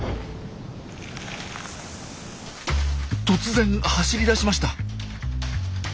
突然走り出しました。